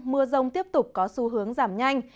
mưa rông tiếp tục có xu hướng giảm nhanh